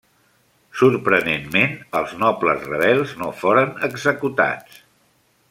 Sorprenentment, els nobles rebels no foren executats.